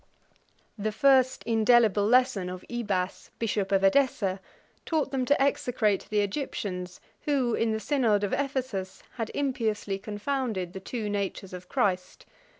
The first indelible lesson of Ibas, bishop of Edessa, taught them to execrate the Egyptians, who, in the synod of Ephesus, had impiously confounded the two natures of Christ.